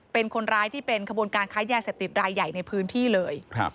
เป็นคนร้ายที่เป็นขบวนการค้ายาเสพติดรายใหญ่ในพื้นที่เลย